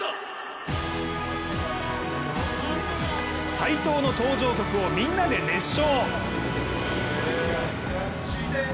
斎藤の登場曲をみんなで熱唱。